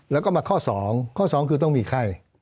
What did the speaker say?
แล้วก็มาข้อ๒ข้อ๒คือต้องมีไข้